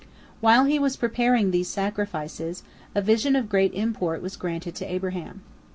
While he was preparing these sacrifices, a vision of great import was granted to Abraham.